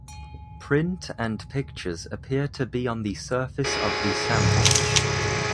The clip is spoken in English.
Print and pictures appear to be on the surface of the sample.